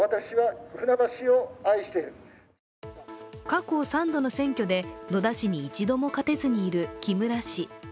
過去３度の選挙で野田氏に一度も勝てずにいる木村氏。